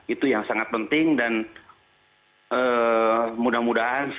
itu yang sangat penting dan mudah mudahan